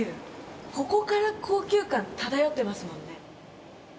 ここから高級感漂ってますもんね。